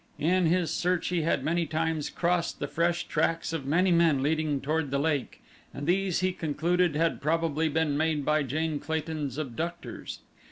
In his search he had many times crossed the fresh tracks of many men leading toward the lake and these he concluded had probably been made by Jane Clayton's abductors.